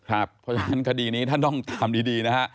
เพราะฉะนั้นคดีนี้ท่านต้องตามดีนะฮะ